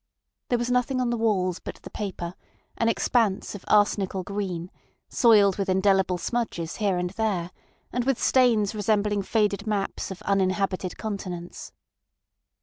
There was nothing on the walls but the paper, an expanse of arsenical green, soiled with indelible smudges here and there, and with stains resembling faded maps of uninhabited continents.